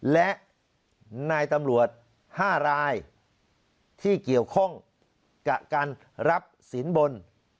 และนายตำรวจ๕รายที่เกี่ยวข้องกับการรับสินบน